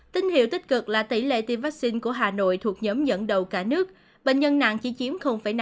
tin hiệu tích cực là tỷ lệ tiêm vaccine của hà nội thuộc nhóm dẫn đầu cả nước bệnh nhân nặng chỉ chiếm năm